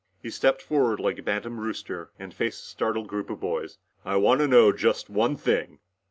He stepped forward like a bantam rooster and faced the startled group of boys. "I wanna know just one thing!